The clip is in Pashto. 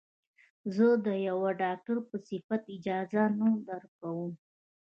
زه د يوه ډاکتر په صفت اجازه نه درکم.